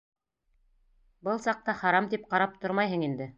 Был саҡта харам тип ҡарап тормайһың инде.